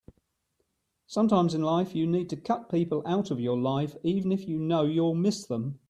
Sometimes in life you need to cut people out of your life even if you know you'll miss them.